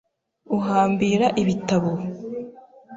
Uhambira ibitabo?